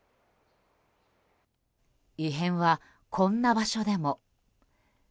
異変はこんな場所でも。